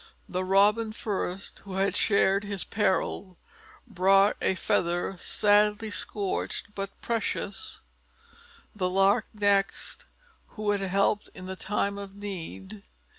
The Robin first, who had shared his peril, brought a feather sadly scorched, but precious; the Lark next, who had helped in the time of need.